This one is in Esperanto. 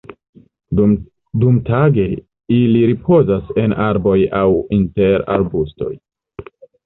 Dumtage ili ripozas en arboj aŭ inter arbustoj.